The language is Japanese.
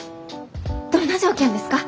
どんな条件ですか？